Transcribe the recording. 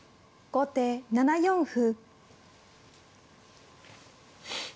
後手４四歩。